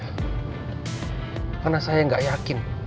karena saya gak yakin